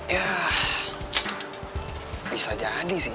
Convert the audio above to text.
yah bisa jadi sih ya